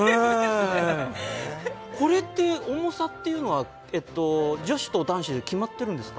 これって重さっていうのは女子と男子で決まっているんですか？